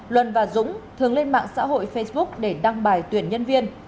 luân và dũng thường lên mạng xã hội facebook để đăng bài tuyển nhân viên